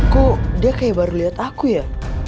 kok dia kayak baru lihat aku ya